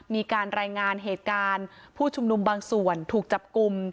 มีการรายงานเหตุการณ์ผู้ชุมนุมบางส่วนถูกจับกลุ่ม